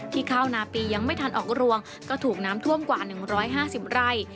ข้าวนาปียังไม่ทันออกรวงก็ถูกน้ำท่วมกว่า๑๕๐ไร่